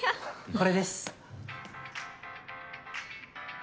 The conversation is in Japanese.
これです。